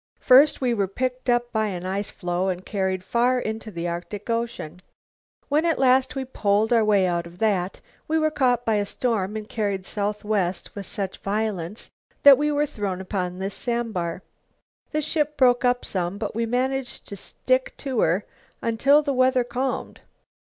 First we were picked up by an ice floe and carried far into the Arctic Ocean. When at last we poled our way out of that, we were caught by a storm and carried southwest with such violence that we were thrown upon this sandbar. The ship broke up some, but we managed to stick to her until the weather calmed.